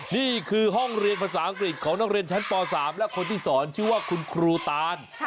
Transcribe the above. นี่คือห้องเรียนภาษาอังกฤษของนักเรียนชั้นป๓และคนที่สอนชื่อว่าคุณครูตาน